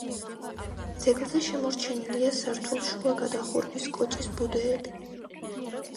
ძეგლზე შემორჩენილია სართულშუა გადახურვის კოჭის ბუდეები.